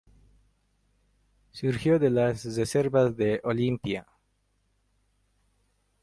Surgido de las reservas del Olimpia.